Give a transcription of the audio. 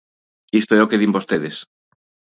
Isto é o que din vostedes.